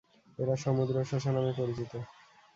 এরা সমুদ্র শসা নামে পরিচিত।